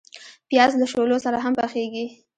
پیاز له شولو سره هم پخیږي